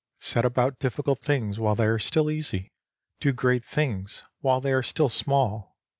Set about difficult things while they are still easy ; do great things while they are still small.